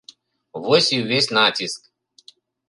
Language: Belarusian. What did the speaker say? Вось і ўвесь націск.